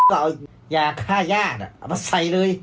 ก็เอายาฆ่าย่าเอามาใส่เลย